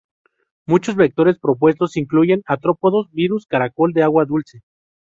Muchos vectores propuestos incluyen artrópodos, virus, caracol de agua dulce.